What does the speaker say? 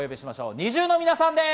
ＮｉｚｉＵの皆さんです。